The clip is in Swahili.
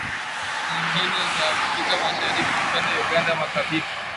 nyingine za afrika mashariki mfano uganda makabila